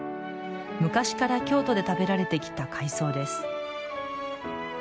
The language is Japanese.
昔から京都で食べられてきた海藻です。